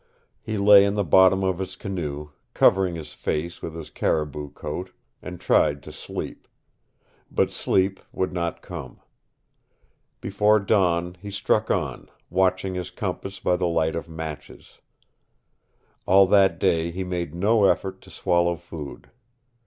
He lay in the bottom of his canoe, covering his face with his caribou coat, and tried to sleep. But sleep would not come. Before dawn he struck on, watching his compass by the light of matches. All that day he made no effort to swallow food.